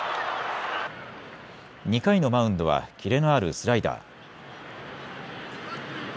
２回のマウンドは切れのあるスライダー。